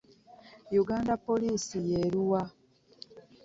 Uganda Police yeruwa?